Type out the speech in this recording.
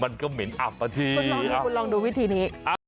มันก็เหม็นอัพอาทีคุณลองดูวิธีนี้